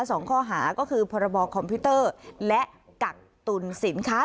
สองข้อหาก็คือพรบคอมพิวเตอร์และกักตุลสินค้า